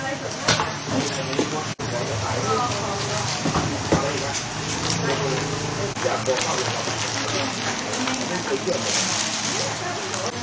น้ำผีกวันเวลาสถานการณ์